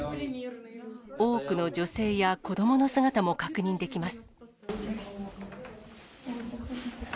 多くの女性や子どもの姿も確認できます。